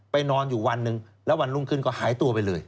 นอนอยู่วันหนึ่งแล้ววันรุ่งขึ้นก็หายตัวไปเลย